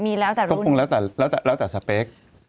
มีแล้วแต่รูปคงแล้วแต่สเปค